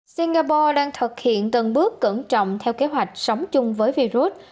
singapore đang thực hiện từng bước cẩn trọng theo kế hoạch sống chung với virus